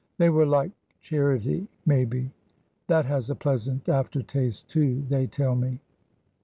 They were like charity, maybe: that has a pleasant after taste, too, they tell me.